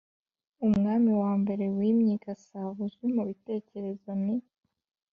umwami wa mbere wimye i gasabo uzwi mu bitekerezo ni